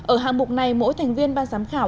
ở hạng mục này mỗi thành viên ban giám khảo